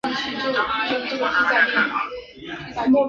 康熙二十八年升贵州黔西州知州。